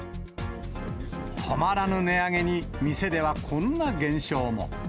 止まらぬ値上げに、店ではこんな現象も。